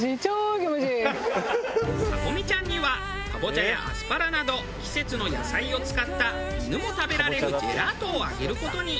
パコ美ちゃんにはカボチャやアスパラなど季節の野菜を使った犬も食べられるジェラートをあげる事に。